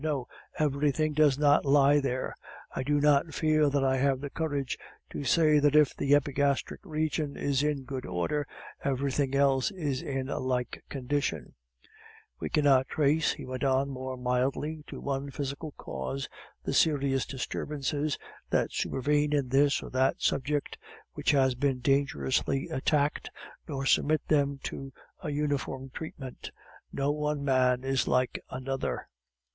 No, everything does not lie there. I do not feel that I have the courage to say that if the epigastric region is in good order, everything else is in a like condition "We cannot trace," he went on more mildly, "to one physical cause the serious disturbances that supervene in this or that subject which has been dangerously attacked, nor submit them to a uniform treatment. No one man is like another.